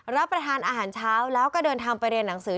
รับประทานอาหารเช้าแล้วก็เดินทางไปเรียนหนังสือ